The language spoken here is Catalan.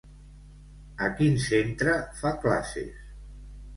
A quin centre fa classes?